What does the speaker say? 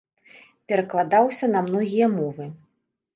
Перакладаўся на многія мовы.